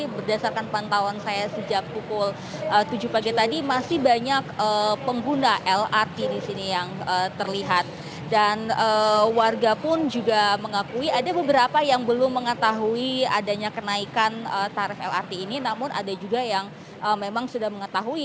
bagaimana menurut anda